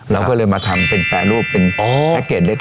เราก็เลยมาทำเป็นแปรรูปเป็นแพ็คเกจเล็ก